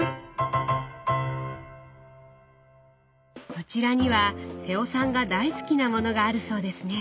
こちらには瀬尾さんが大好きなものがあるそうですね。